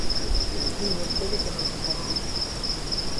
Di vostede que non se sabe nada.